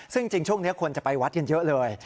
ซึ่งจริงช่วงนี้คนจะไปวัดกันเยอะเลย